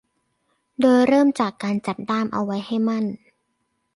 โดยเริ่มจากการจับด้ามเอาไว้ให้มั่น